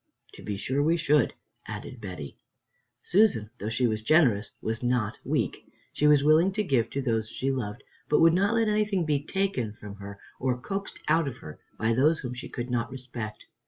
"To be sure we should," added Betty. Susan, though she was generous, was not weak; she was willing to give to those she loved, but would not let anything be taken from her or coaxed out of her by those whom she could not respect.